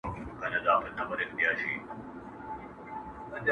o ځان ته ښه وايي، ښه نه کړي، دا څه وايي او څه کړي٫